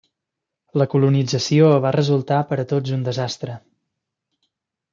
La colonització va resultar per a tots un desastre.